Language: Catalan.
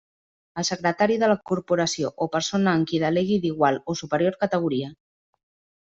El secretari de la corporació o persona en qui delegui d'igual o superior categoria.